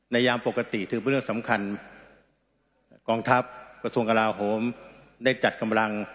ยามปกติถือเป็นเรื่องสำคัญกองทัพกระทรวงกลาโหมได้จัดกำลัง